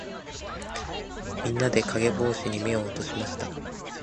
みんなで、かげぼうしに目を落としました。